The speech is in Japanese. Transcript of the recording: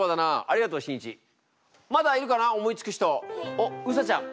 おっうさちゃん。